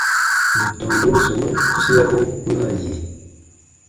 Bù tɔmbun sɔmaan tusiabun kpunaa yi.